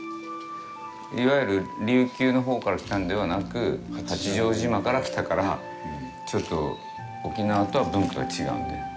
いわゆる琉球のほうから来たのではなく、八丈島から来たから、ちょっと沖縄とは文化が違うんだね。